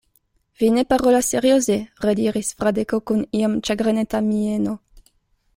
Vi ne parolas serioze, rediris Fradeko kun iom ĉagreneta mieno.